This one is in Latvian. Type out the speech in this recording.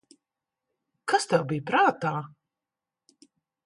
Kas tev bija prātā?